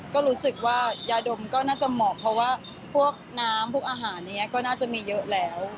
ก็รู้สึกว่ายาดมก็น่าจะเหมาะเพราะว่าพวกน้ำพวกอาหารนี้ก็น่าจะมีเยอะแล้ว